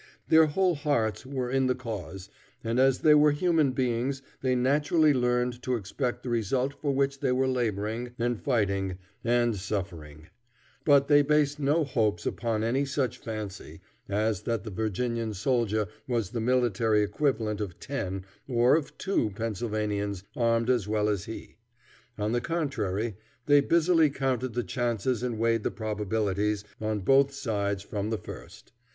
Their whole hearts were in the cause, and as they were human beings they naturally learned to expect the result for which they were laboring and fighting and suffering; but they based no hopes upon any such fancy as that the Virginian soldier was the military equivalent of ten or of two Pennsylvanians armed as well as he. On the contrary, they busily counted the chances and weighed the probabilities on both sides from the first.